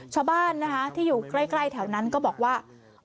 ชาวบ้านนะคะที่อยู่ใกล้แถวนั้นก็บอกว่า